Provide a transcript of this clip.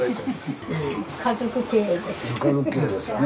家族経営ですよね。